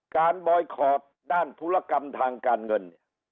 การบอยคอบด้านภูระกรรมทางการเงิน